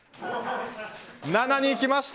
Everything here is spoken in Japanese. ７にきました！